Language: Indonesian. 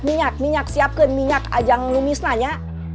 minyak minyak siapkan minyak ajang lumis nanya